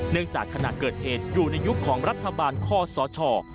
จากขณะเกิดเหตุอยู่ในยุคของรัฐบาลคอสช